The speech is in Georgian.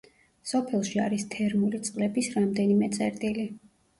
სოფელში არის თერმული წყლების რამდენიმე წერტილი.